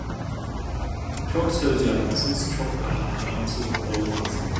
Çok söz yalansız, çok para haramsız olmaz.